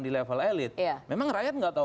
di level elit memang rakyat nggak tahu